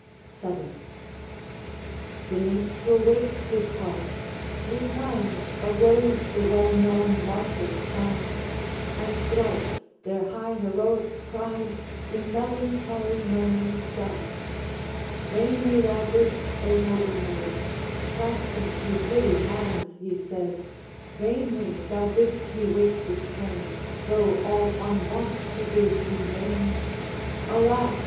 VII. The minstrel waked his harp, three times Arose the well known martial chimes, And thrice their high heroic pride In melancholy murmurs died. 'Vainly thou bidst, O noble maid,' Clasping his withered hands, he said, 'Vainly thou bidst me wake the strain, Though all unwont to bid in vain. Alas!